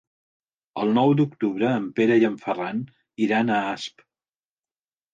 El nou d'octubre en Pere i en Ferran iran a Asp.